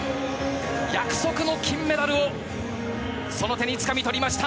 約束の金メダルをその手につかみ取りました。